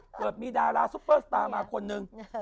เกิดมีดาราซุปเปอร์สตาร์มาคนนึง